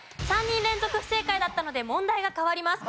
３人連続不正解だったので問題が変わります。